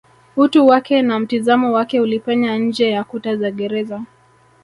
utu wake na mtizamo wake ulipenya nje ya kuta za gereza